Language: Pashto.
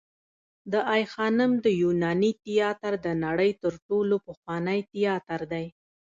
د آی خانم د یوناني تیاتر د نړۍ تر ټولو پخوانی تیاتر دی